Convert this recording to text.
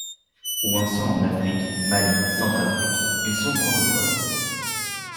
Ou un saut en Afrique, Mali, Centrafrique, ils sont francophones.